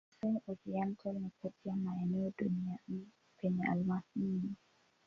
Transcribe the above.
Kasai-Oriental ni kati ya maeneo duniani penye almasi nyingi.